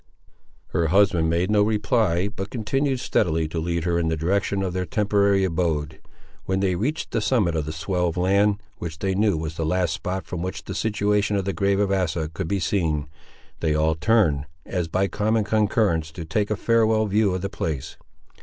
Her husband made no reply, but continued steadily to lead her in the direction of their temporary abode. When they reached the summit of the swell of land, which they knew was the last spot from which the situation of the grave of Asa could be seen, they all turned, as by common concurrence, to take a farewell view of the place.